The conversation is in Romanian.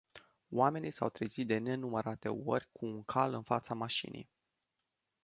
Oamenii s-au trezit de nenumărate ori cu un cal în fața mașinii.